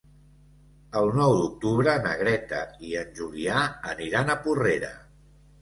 El nou d'octubre na Greta i en Julià aniran a Porrera.